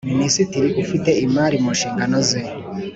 Minisitiri ufite imari mu nshingano ze